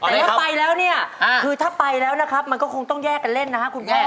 แต่ถ้าไปแล้วเนี่ยคือถ้าไปแล้วนะครับมันก็คงต้องแยกกันเล่นนะครับคุณพ่อ